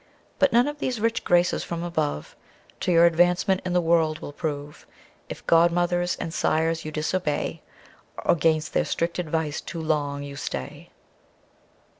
But none of these rich graces from above, To your advancement in the world will prove If godmothers and sires you disobey, Or 'gainst their strict advice too long you stay.